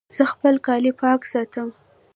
زه خپل کالي پاک ساتم